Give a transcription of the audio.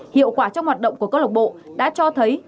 hiệu quả trong hoạt động của cơ lộc bộ đã cho thấy